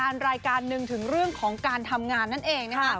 รายการหนึ่งถึงเรื่องของการทำงานนั่นเองนะคะ